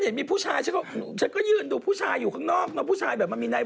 นางไปเพ้นหน้าร้านนางอย่างเดียวไปร้านแล้วน่ะ